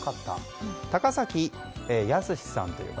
高崎康嗣さんという方。